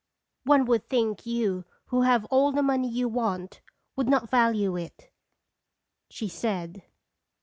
"One would think you, who have all the money you want, would not value it," she said.